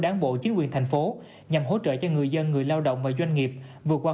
đáng bộ chính quyền thành phố nhằm hỗ trợ cho người dân người lao động và doanh nghiệp vừa qua